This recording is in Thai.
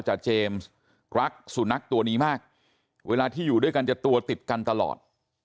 เจมส์รักสุนัขตัวนี้มากเวลาที่อยู่ด้วยกันจะตัวติดกันตลอด